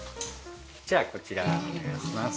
じゃあこちらお願いします。